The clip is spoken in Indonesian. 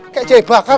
kayak jahe bakar